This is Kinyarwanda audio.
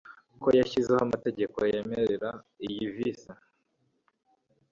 ko yashyizeho amategeko yemerera iyi vice